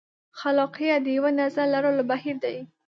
خلاقیت د یوه نظر لرلو بهیر دی.